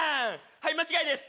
はい間違いです